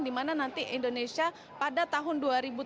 dimana nanti indonesia pada tahun dua ribu tujuh belas dua ribu delapan belas